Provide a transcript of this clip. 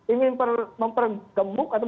ingin mempergembuk atau